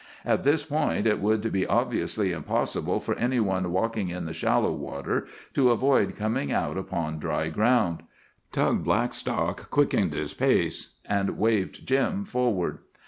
At this point it would be obviously impossible for any one walking in the shallow water to avoid coming out upon dry ground. Tug Blackstock quickened his pace, and waved Jim forward.